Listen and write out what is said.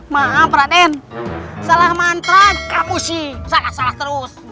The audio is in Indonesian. maaf raden salah mantra kamu sih salah salah terus